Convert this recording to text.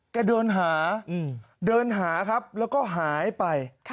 เดินหาเดินหาครับแล้วก็หายไป